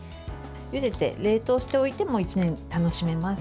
ゆでて冷凍しておいても楽しめます。